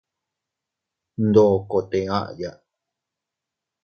Ndokote aʼya.